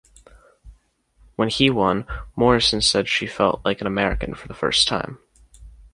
When he won, Morrison said she felt like an American for the first time.